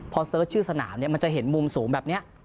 พอเสิร์ชชื่อสนามมันจะเห็นมุมสูงแบบนี้